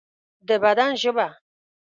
د بدن ژبه